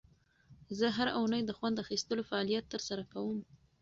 زه هره اونۍ د خوند اخیستلو فعالیت ترسره کوم.